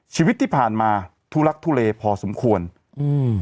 ชีวิตที่ผ่านมาทุลักทุเลพอสมควรอืม